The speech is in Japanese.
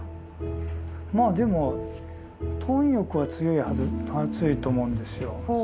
まあでも「貪欲」は強いと思うんですよ。